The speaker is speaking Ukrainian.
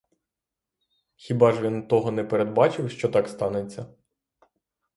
Хіба ж він того не передбачив, що так станеться?